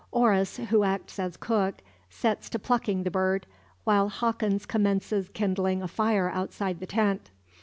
Oris, who acts as cook, sets to plucking the bird, while Hawkins commences kindling a fire outside the tent.